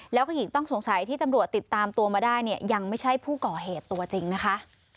แล้วก็หญิงต้องสงสัยที่ตำรวจติดตามตัวมาได้เนี่ยยังไม่ใช่ผู้ก่อเหตุตัวจริงนะคะ